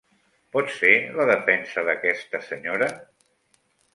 Pots fer la defensa d'aquesta senyora?